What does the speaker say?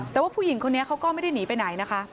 แต่ว่าผู้หญิงคนนี้เขาก็ไม่ได้หนีไปไหนนะคะ